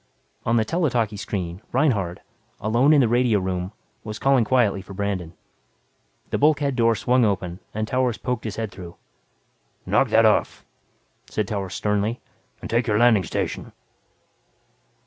On the tele talkie screen, Reinhardt, alone in the radio room, was calling quietly for Brandon. The bulkhead door swung open and Towers poked his head through. "Knock that off," said Towers sternly, "and take your landing station."